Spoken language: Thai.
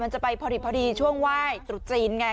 จะไปพอดีช่วงไหว้ตรุษจีนไง